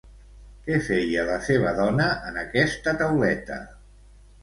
Què feia la seva dona en aquesta tauleta?